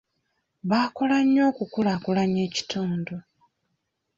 Baakola nnyo okukulaakulanya ekitundu.